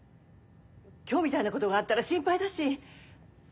今日みたいなことがあったら心配だし。